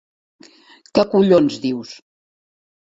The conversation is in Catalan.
Què collons dius!